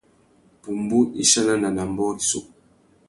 Pumbú i chanana nà ambōh rissú.